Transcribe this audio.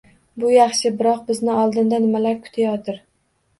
— Bu yaxshi, biroq bizni oldinda nimalar kutayotir?